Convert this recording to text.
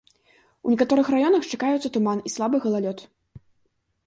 У некаторых раёнах чакаюцца туман і слабы галалёд.